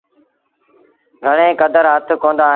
گھڻي ڪدر هٿ ڪوندآ ّئيٚن۔